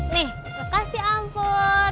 nih lokasi ampur